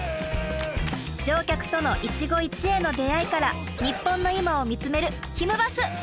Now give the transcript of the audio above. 乗客との一期一会の出会いから日本の今を見つめるひむバス！